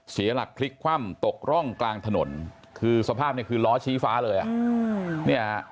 เสียหลักพลิกคว่ำตกร่องกลางถนนคือสภาพเนี่ยคือล้อชี้ฟ้าเลยอ่ะ